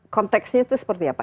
konteksnya itu seperti apa